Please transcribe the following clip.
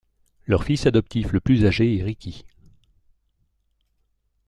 Leur fils adoptif le plus âgé est Ricky.